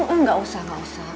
enggak usah enggak usah